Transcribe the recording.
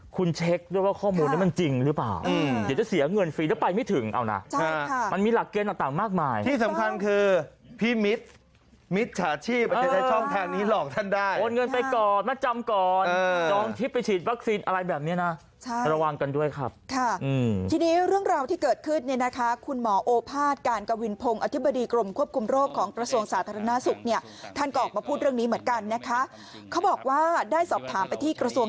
ข้อมูลนั้นมันจริงหรือเปล่าเดี๋ยวจะเสียเงินฟรีแล้วไปไม่ถึงเอานะมันมีหลักเกณฑ์ต่างมากมายที่สำคัญคือพิมิตรชาติชีพจะใช้ช่องแทนนี้หลอกท่านได้โอนเงินไปก่อนมาจำก่อนย้องทิศไปฉีดวัคซีนอะไรแบบนี้นะระวังกันด้วยครับทีนี้เรื่องราวที่เกิดขึ้นคุณหมอโอภาสการกวินพงอธิบดี